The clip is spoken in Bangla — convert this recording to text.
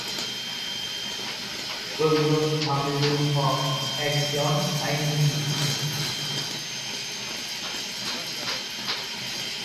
সৈয়দ হাবিবুল হক একজন আইনজীবী।